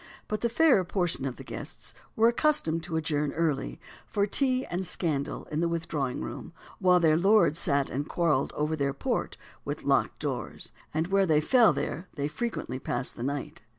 But the fairer portion of the guests were accustomed to adjourn early, for tea and scandal in the withdrawing room, the while their lords sat and quarrelled over their port, with locked doors; and where they fell there they frequently passed the night.